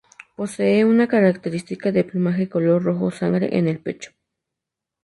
Posee una característica de plumaje color rojo sangre en el pecho.